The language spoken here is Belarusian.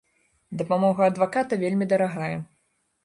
Дапамога адваката вельмі дарагая.